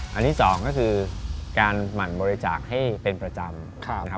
วันที่สองก็คือการหมั่นบริจักษ์ให้เป็นประจำ